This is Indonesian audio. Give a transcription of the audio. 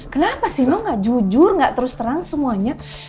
kenapa sih enggak jujur enggak terus terang semuanya